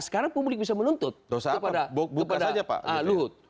sekarang publik bisa menuntut kepada pak luhut